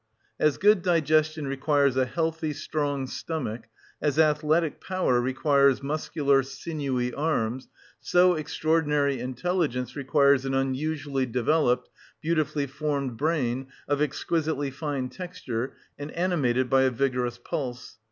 As good digestion requires a healthy, strong stomach, as athletic power requires muscular sinewy arms, so extraordinary intelligence requires an unusually developed, beautifully formed brain of exquisitely fine texture and animated by a vigorous pulse.